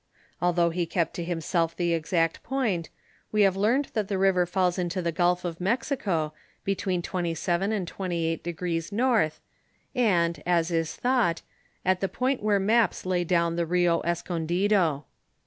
Although he kept to himself the exact point, we have learned that the river falls into the gulf of Mexico, between 27° and 28° north, and, as is thought, at the point where maps lay down the Rio Escondido.